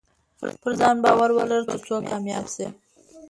پرځان باور ولره ترڅو کامياب سې